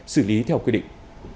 xử lý theo quy định